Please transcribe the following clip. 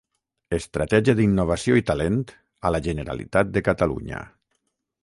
Estratègia d'innovació i talent a la Generalitat de Catalunya.